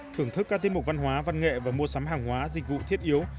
thưởng thức các tiết mục văn hóa văn nghệ và mua sắm hàng hóa dịch vụ thiết yếu